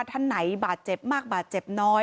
ท่านไหนบาดเจ็บมากบาดเจ็บน้อย